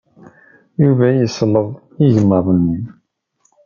Yuba yesleḍ igmaḍ-nni.